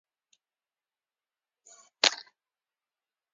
غول د اشتها ټیټوالی واضح کوي.